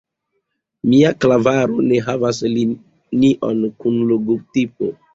Mia klavaro ne havas linion kun logotipo.